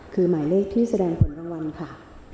คือหมายเลขที่แสดงผลรางวัลค่ะ